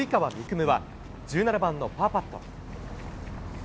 夢は１７番のパーパット。